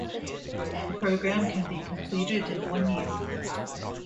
The program can be completed in one year.